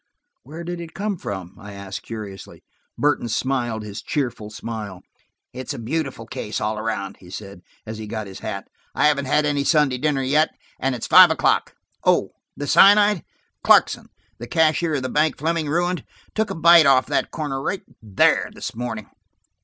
"Where did it come from?" I asked curiously. Burton smiled his cheerful smile. "It's a beautiful case, all around," he said, as he got his hat. "I haven't had any Sunday dinner yet, and it's five o'clock. Oh–the cyanide? Clarkson, the cashier of the bank Fleming ruined, took a bite off that corner right there, this morning."